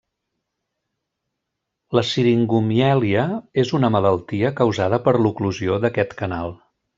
La Siringomièlia és una malaltia causada per l'oclusió d'aquest canal.